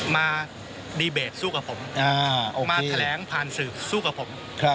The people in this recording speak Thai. มาดีเบตสู้กับผมออกมาแถลงผ่านสื่อสู้กับผม